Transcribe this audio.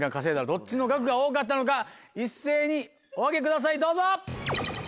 どっちの額が多かったのか一斉にお上げくださいどうぞ！